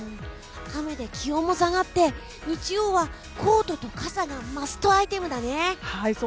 雨で気温も下がって日曜はコートと傘がマストアイテムだね。